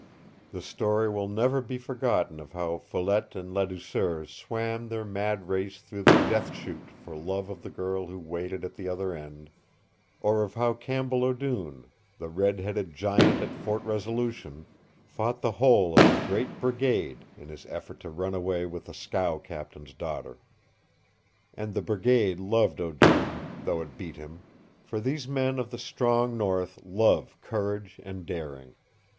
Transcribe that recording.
The story will never be forgotten of how Follette and Ladouceur swam their mad race through the Death Chute for love of the girl who waited at the other end, or of how Campbell O'Doone, the red headed giant at Fort Resolution, fought the whole of a great brigade in his effort to run away with a scow captain's daughter. And the brigade loved O'Doone, though it beat him, for these men of the strong north love courage and daring.